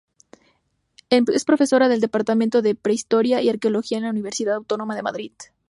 Es profesora del Departamento de Prehistoria y Arqueología de la Universidad Autónoma de Madrid.